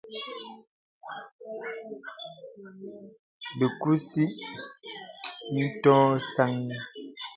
Bə kūsì mìndɔ̄ɔ̄ sâknì.